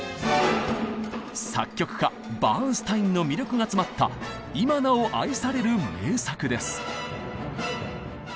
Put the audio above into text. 作曲家バーンスタインの魅力が詰まった今なお愛される名作です。